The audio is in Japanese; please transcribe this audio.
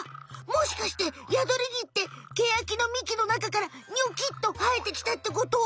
もしかしてヤドリギってケヤキの幹の中からニョキッとはえてきたってこと？